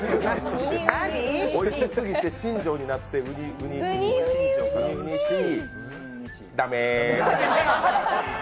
おいしすぎて新庄になってウニウニウニしい？